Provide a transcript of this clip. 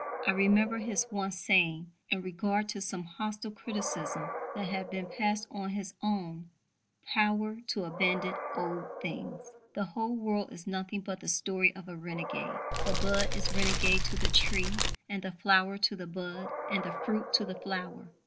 I remember his once saying, in regard to some hostile criticisms that had been passed on his own "power to abandon old things": "The whole world is nothing but the story of a renegade. The bud is renegade to the tree, and the flower to the bud, and the fruit to the flower."